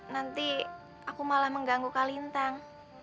nanti aku malah mengganggu kak lintang